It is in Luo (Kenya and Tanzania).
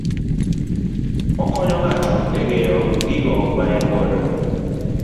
Okonyo ng'ato e ng'eyo gigo ma en godo